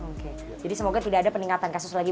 oke jadi semoga tidak ada peningkatan kasus lagi